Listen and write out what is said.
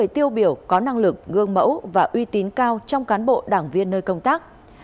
tiêu biểu có năng lực gương mẫu và uy tín cao trong cán bộ đảng viên nơi công tác